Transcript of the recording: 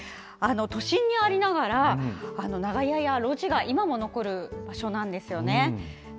都心にありながら、長屋や路地が今も残る場所ですよね。